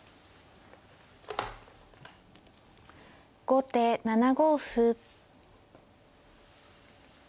後手７五歩。